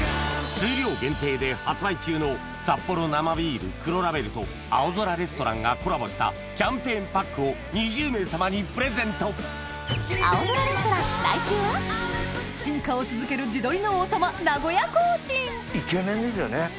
数量限定で発売中のサッポロ生ビール黒ラベルと『青空レストラン』がコラボしたキャンペーンパックを２０名様にプレゼント進化を続ける地鶏の王様名古屋コーチンイケメンですよね。